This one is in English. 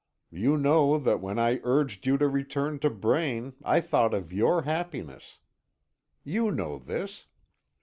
You know that when I urged you to return to Braine, I thought of your happiness. You know this.